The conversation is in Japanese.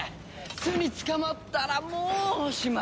巣に捕まったらもうおしまい。